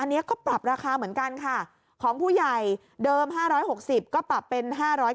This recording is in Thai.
อันนี้ก็ปรับราคาเหมือนกันค่ะของผู้ใหญ่เดิม๕๖๐ก็ปรับเป็น๕๐๐